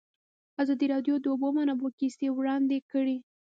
ازادي راډیو د د اوبو منابع کیسې وړاندې کړي.